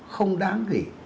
không đáng gì